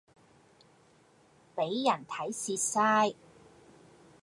俾人睇蝕曬